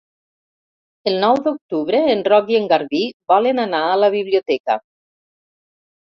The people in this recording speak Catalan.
El nou d'octubre en Roc i en Garbí volen anar a la biblioteca.